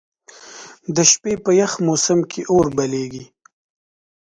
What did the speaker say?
د شپې په یخ موسم کې اور بليږي.